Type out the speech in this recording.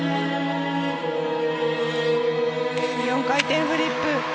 ４回転フリップ。